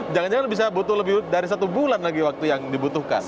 jangan jangan bisa butuh lebih dari satu bulan lagi waktu yang dibutuhkan